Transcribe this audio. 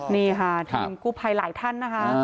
นี่ค่ะทีมกู้ภัยหลายท่านนะคะ